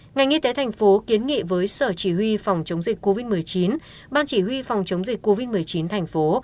ngành y tế thành phố kiến nghị với sở chỉ huy phòng chống dịch covid một mươi chín ban chỉ huy phòng chống dịch covid một mươi chín thành phố